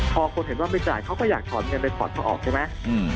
พอคนเห็นว่าไม่จ่ายเขาก็อยากถอนเงินไปถอนเขาออกใช่ไหม